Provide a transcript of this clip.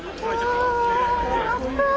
やった！